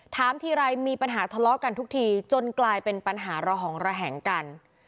ถามทีไรมีปัญหาทะเลาะกันทุกทีจนกลายเป็นปัญหาระหองระแหงกัน